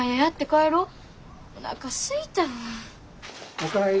お帰り。